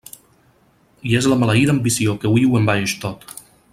I és la maleïda ambició que hui ho envaeix tot.